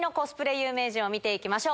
有名人を見ていきましょう。